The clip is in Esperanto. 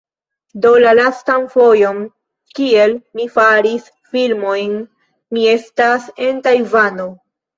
Do la lastan fojon, kiel mi faris filmojn, mi estas en Tajvano.